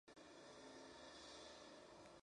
Emigró junto a su familia a los Estados Unidos.